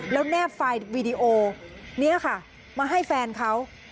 แล้วแนบไฟล์วีดีโอนี้ค่ะมาให้แฟนเขา